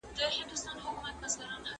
ماضي زموږ د اوسني ژوند رېښه ده.